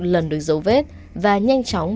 lần được dấu vết và nhanh chóng